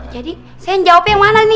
jadi saya yang jawab yang mana nih